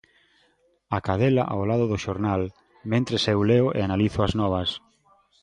A cadela ao lado do xornal, mentres eu leo e analizo as novas.